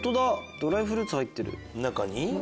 ドライフルーツ入ってる。